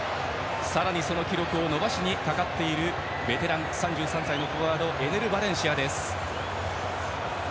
さらに、その記録を伸ばしにかかっているベテラン、３３歳のフォワードエネル・バレンシアです。